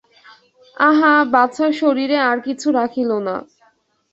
আহা বাছার শরীরে আর কিছু রাখিল না।